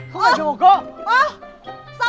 không phải chủ của cô